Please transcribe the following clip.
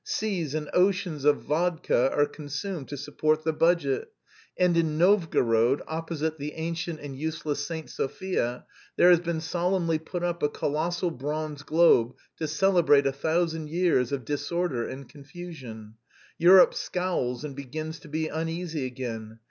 Seas and oceans of vodka are consumed to support the budget, and in Novgorod, opposite the ancient and useless St. Sophia, there has been solemnly put up a colossal bronze globe to celebrate a thousand years of disorder and confusion; Europe scowls and begins to be uneasy again....